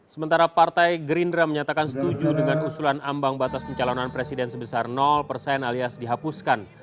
sementara partai gerindra menyatakan setuju dengan usulan ambang batas pencalonan presiden sebesar persen alias dihapuskan